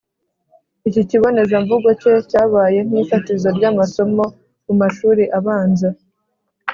Iki kibonezamvugo ke cyabaye nk’ifatizo ry’amasomo mu mashuri abanza.